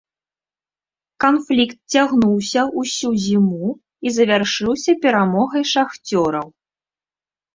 Канфлікт цягнуўся ўсю зіму і завяршыўся перамогай шахцёраў.